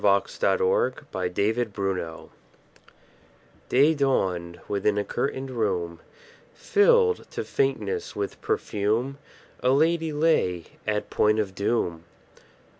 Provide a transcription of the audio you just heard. W X . Y Z History of a Life DAY dawned: within a curtained room, Filled to faintness with perfume, A lady lay at point of doom.